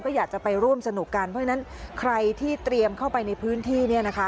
เพราะฉะนั้นใครที่เตรียมเข้าไปในพื้นที่